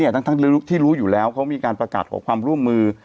ทั้งที่รู้อยู่แล้วเขามีการประกาศขอความร่วมมือ